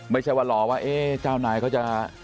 ไม่ใช่ว่ารอว่าเจ้านายเขาจะ